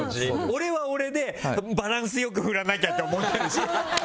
俺は俺でバランスよく振らなきゃって思ってるし。